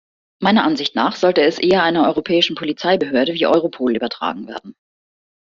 Meiner Ansicht nach sollte es eher einer europäischen Polizeibehörde wie Europol übertragen werden.